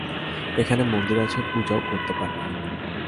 এখানে মন্দির আছে, পুজাও করতে পারবি।